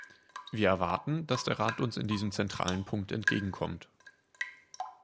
Wir erwarten, dass der Rat uns in diesem zentralen Punkt entgegenkommt.